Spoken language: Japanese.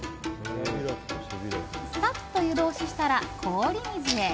さっと湯通ししたら氷水へ。